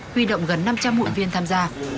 huy động gần năm trăm linh hụi viên tham gia